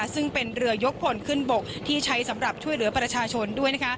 ซึ่งเป็นเรือยกพลขึ้นบกที่ใช้สำหรับช่วยเหลือประชาชนด้วย